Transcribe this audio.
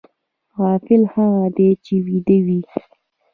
غافل هغه دی چې ویده وي